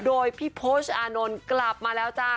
โดยพี่โพชอานนท์กลับมาแล้วจ้า